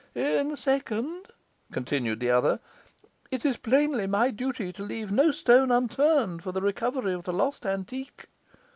'In the second,' continued the other, 'it is plainly my duty to leave no stone unturned for the recovery of the lost antique.